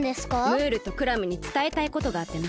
ムールとクラムにつたえたいことがあってな。